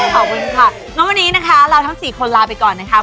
ขอบคุณค่ะแล้ววันนี้นะคะเราทั้ง๔คนลาไปก่อนนะคะ